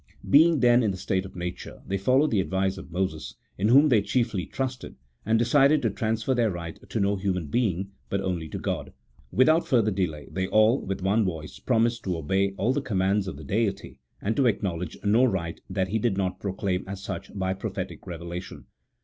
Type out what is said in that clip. Being, then, in the state of nature, they followed the advice of Moses, in whom they chiefly trusted, and decided to transfer their right to no human being, but only to God ; without further delay they all, with one voice, promised to obey all the commands of the Deity, and to acknowledge no right that He did not pro claim as such by prophetic revelation.